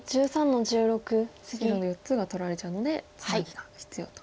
白の４つが取られちゃうのでツナギが必要と。